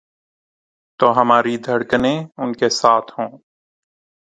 تو ہماری دھڑکنیں ان کے ساتھ ہوں۔